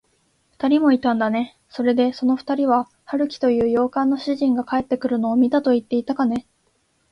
ふたりもいたんだね。それで、そのふたりは、春木という洋館の主人が帰ってくるのを見たといっていたかね。